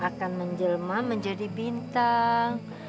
akan menjelma menjadi bintang